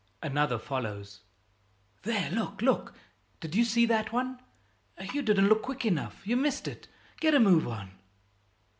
Another follows: "There! Look, look! Did you see that one? You didn't look quick enough, you missed it. Get a move on!